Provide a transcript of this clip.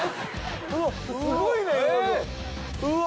うわすごいね風磨君。うわ。